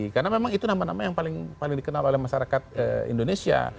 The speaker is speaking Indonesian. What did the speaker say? karena memang itu nama nama yang paling dikenal oleh masyarakat indonesia